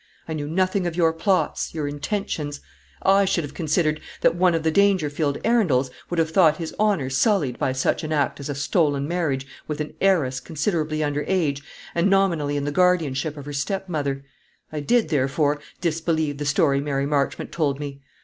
I knew nothing of your plots, your intentions. I should have considered that one of the Dangerfield Arundels would have thought his honour sullied by such an act as a stolen marriage with an heiress, considerably under age, and nominally in the guardianship of her stepmother. I did, therefore, disbelieve the story Mary Marchmont told me.